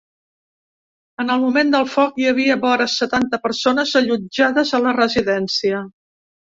En el moment del foc, hi havia vora setanta persones allotjades a la residència.